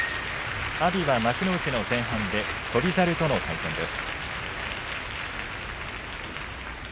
阿炎は幕内の前半で翔猿との対戦です。